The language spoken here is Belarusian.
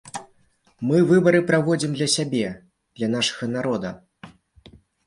Мы выбары праводзім для сябе, для нашага народа.